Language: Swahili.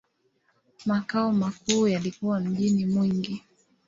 Makao makuu yalikuwa mjini Mwingi.